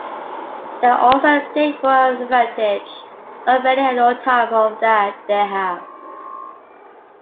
They also take full advantage of any-and-all time off that they have.